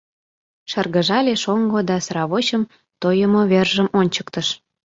— шыргыжале шоҥго да сравочым тойымо вержым ончыктыш.